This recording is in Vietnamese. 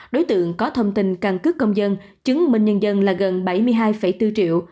đối tượng có thông tin căn cước công dân chứng minh nhân dân là gần bảy mươi hai bốn triệu